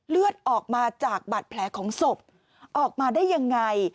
เลือดออกมาจากบาดแผลของศพออกมาได้ยังไง